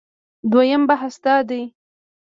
دویم بحث دا دی